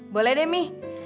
boleh deh mi